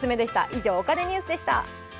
以上お金ニュースでした。